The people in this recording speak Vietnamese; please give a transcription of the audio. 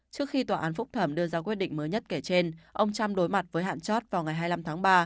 trước khi tòa án phúc thẩm đưa ra quyết định mới nhất kể trên ông trump đối mặt với hạn chót vào ngày hai mươi năm tháng ba